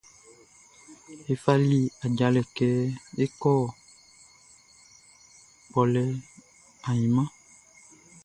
Ye fali ajalɛ kɛ é kɔ́ kpɔlɛ ainman.